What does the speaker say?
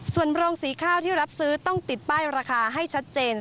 ส่วนโรงสีข้าวที่รับซื้อต้องติดป้ายราคาให้ชัดเจน